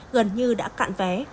gần như đã cạn vé